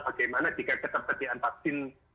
bagaimana jika ketepetian vaksin